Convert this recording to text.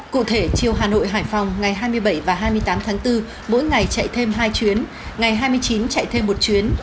cụ thể chiều hà nội hải phòng ngày hai mươi bảy và hai mươi tám tháng bốn mỗi ngày chạy thêm hai chuyến ngày hai mươi chín chạy thêm một chuyến